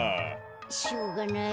しょうがない。